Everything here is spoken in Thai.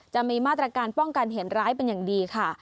จะมีมาตรการป้องกันเหตุร้ายเป็นอย่างดีค่ะ